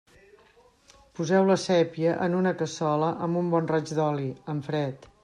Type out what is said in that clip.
Poseu la sépia en una cassola amb un bon raig d'oli, en fred.